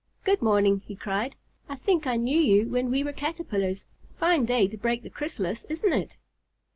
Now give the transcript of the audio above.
"Good morning!" he cried. "I think I knew you when we were Caterpillars. Fine day to break the chrysalis, isn't it?"